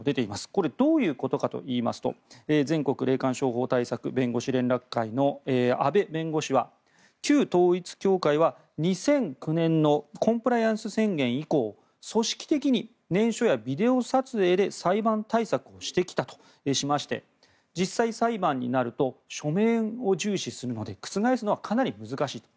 これはどういうことかといいますと全国霊感商法対策弁護士連絡会の阿部弁護士は旧統一教会は、２００９年のコンプライアンス宣言以降組織的に念書やビデオ撮影で裁判対策をしてきたということで実際、裁判になると書面を重視するので覆すのはかなり難しいと。